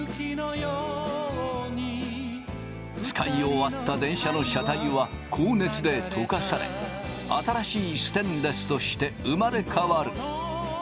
使い終わった電車の車体は高熱で溶かされ新しいステンレスとして生まれ変わる。